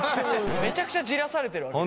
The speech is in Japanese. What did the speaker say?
めちゃくちゃじらされてるわけですよ。